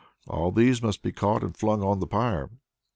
All these must be caught and flung on the pyre.